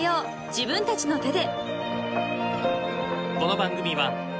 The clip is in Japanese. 自分たちの手で］